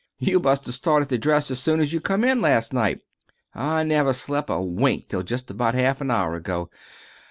"You must have started to dress as soon's you come in last night. I never slep' a wink till just about half a hour ago.